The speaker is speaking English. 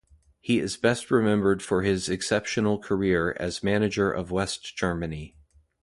He is best remembered for his exceptional career as manager of West Germany.